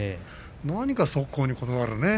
何か速攻にこだわるね